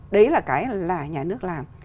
đấy là cái là nhà nước làm